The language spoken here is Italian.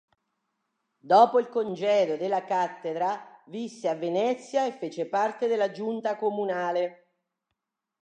Dopo il congedo della cattedra, visse a Venezia e fece parte della Giunta comunale.